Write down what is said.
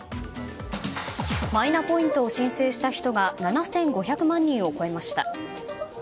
マイナポイントを申請した人が７５００万人を超えました。